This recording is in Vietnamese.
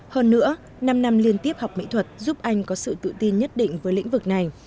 hơn nữa năm năm liên tiếp học mỹ thuật giúp anh có sự tự tin nhất định với lĩnh vực này